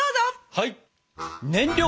はい！